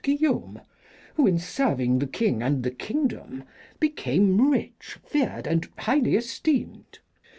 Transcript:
] Guillaume,' who, in serving the King and the kingdom, became rich, feared and highly esteemed.